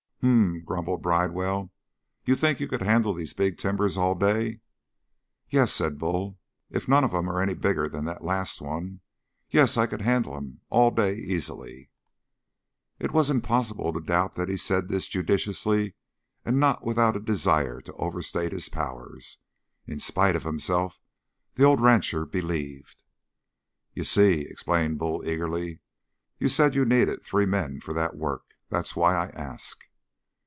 "H'm," grumbled Bridewell. "You think you could handle these big timbers all day?" "Yes," said Bull, "if none of 'em are any bigger than that last one. Yes, I could handle 'em all day easily." It was impossible to doubt that he said this judiciously and not with a desire to overstate his powers. In spite of himself the old rancher believed. "You see," explained Bull eagerly, "you said that you needed three men for that work. That's why I ask."